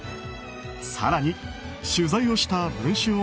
更に取材をした文春